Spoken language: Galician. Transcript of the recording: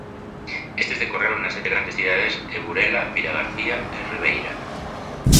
Estes decorreron nas sete grandes cidades e Burela, Vilagarcía e Ribeira.